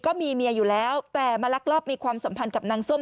ก็มีเมียอยู่แล้วแต่มาลักลอบมีความสัมพันธ์กับนางส้ม